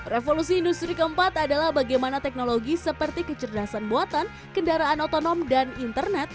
revolusi industri keempat adalah bagaimana teknologi seperti kecerdasan buatan kendaraan otonom dan internet